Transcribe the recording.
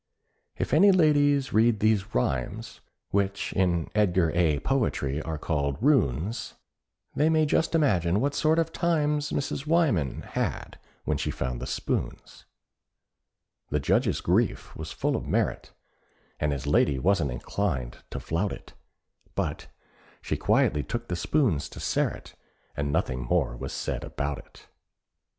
If any ladies read these rhymes, Which in Edgar A. Poetry are called "runes," They may just imagine what sort of times Mrs. Wyman had when she found the spoons! The Judge's grief was full of merit, And his lady wasn't inclined to flout it; But she quietly took the spoons to Sterret, And nothing more was said about it.